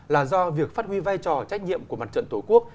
là do việc phát huy vai trò trách nhiệm của mặt trận tổ quốc